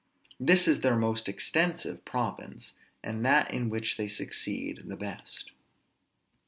This is their most extensive province, and that in which they succeed the best.